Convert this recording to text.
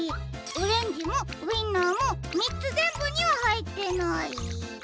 オレンジもウインナーもみっつぜんぶにははいってない。